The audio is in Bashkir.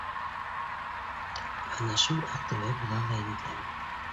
Ана шул Аҡтүбә була ла инде